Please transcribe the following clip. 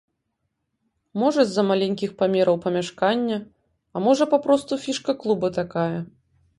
Можа з-за маленькіх памераў памяшкання, а можа папросту фішка клуба такая.